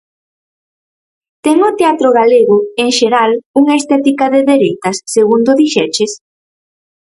Ten o teatro galego, en xeral, unha estética de dereitas, segundo dixeches?